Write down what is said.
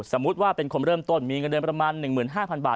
สมมุติว่าเป็นคนเริ่มต้นมีเงินเดือนประมาณ๑๕๐๐บาท